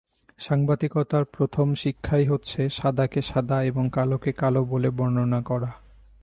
সাংবাদিকতার প্রথম শিক্ষাই হচ্ছে সাদাকে সাদা এবং কালোকে কালো বলে বর্ণনা করা।